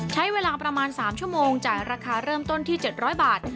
ใช้เวลาประมาณสามชั่วโมงจ่ายราคาเริ่มต้นที่เจ็ดร้อยบาท